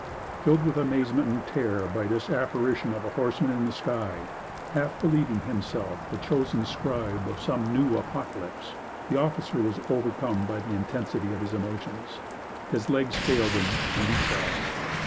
Filled with amazement and terror by this apparition of a horseman in the sky half believing himself the chosen scribe of some new apocalypse, the officer was overcome by the intensity of his emotions; his legs failed him and he fell.